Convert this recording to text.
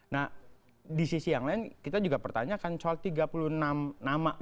nah di sisi yang lain kita juga pertanyakan soal tiga puluh enam nama